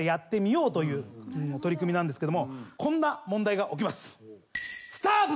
そんな取り組みなんですけどもこんな問題が起きます。